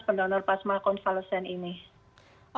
penyintas penyintas yang mau berdonor